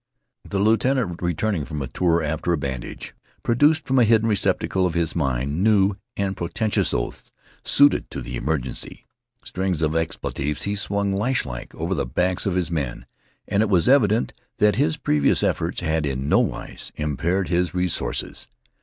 The lieutenant, returning from a tour after a bandage, produced from a hidden receptacle of his mind new and portentous oaths suited to the emergency. Strings of expletives he swung lashlike over the backs of his men, and it was evident that his previous efforts had in nowise impaired his resources.